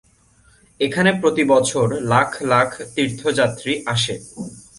এখানে প্রতিবছর লাখ লাখ তীর্থযাত্রী আসে।